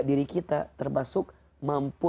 diri kita termasuk mampu